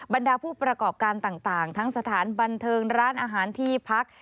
บรรดาผู้ประกอบการต่างทั้งสถานบันเทิงร้านอาหารที่พัก